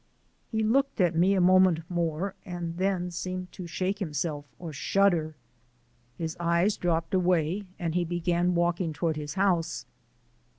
He looked at me a moment more, and then seemed to shake himself or shudder, his eyes dropped away and he began walking toward his house.